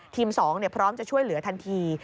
๒พร้อมจะช่วยเหลือทันที